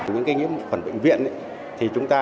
những cái nhiễm khuẩn bệnh viện thì chúng ta